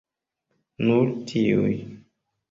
Nur tiuj.